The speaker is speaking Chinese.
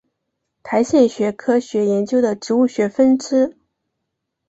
苔藓学科学研究的植物学分支。